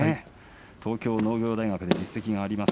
東京農業大学で実績があります。